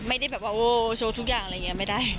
ไม่ได้แบบว่าโอ้โชว์ทุกอย่างอะไรอย่างนี้ไม่ได้